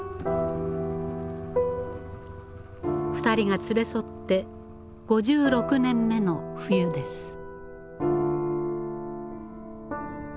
２人が連れ添って５６年目の冬です。